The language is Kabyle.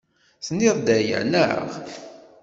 Tenniḍ-d aya, naɣ?